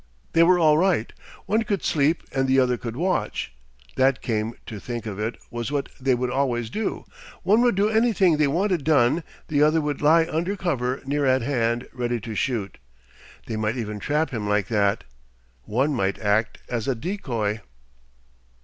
They were all right; one could sleep and the other could watch. That, come to think of it, was what they would always do; one would do anything they wanted done, the other would lie under cover near at hand, ready to shoot. They might even trap him like that. One might act as a decoy.